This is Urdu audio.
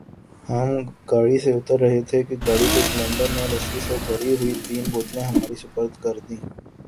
ہم گاڑی سے اتر رہے تھے کہ گاڑی کے کلنڈر نے لسی سے بھری ہوئی تین بوتلیں ہمارے سپرد کر دیں ۔